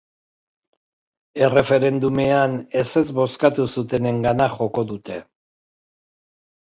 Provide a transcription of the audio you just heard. Erreferendumean ezetz bozkatu zutenengana joko dute.